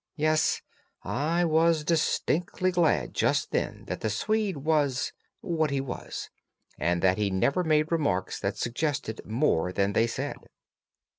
Yes, I was distinctly glad just then that the Swede was—what he was, and that he never made remarks that suggested more than they said.